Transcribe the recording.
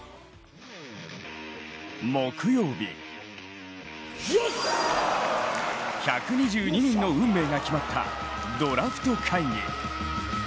木曜日、１２２人の運命が決まったドラフト会議。